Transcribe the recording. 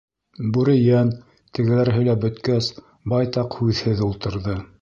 Бүрейән, тегеләр һөйләп бөткәс, байтаҡ һүҙһеҙ ултырҙы.